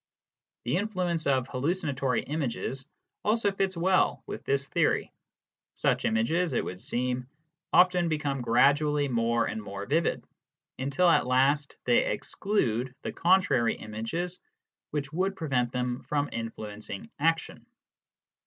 The influence of hallucinatory images also fits well with this theory. Such images, it would seem, often become gradually more and more vivid, until at last they exclude the contrary images which would prevent them from influencing action.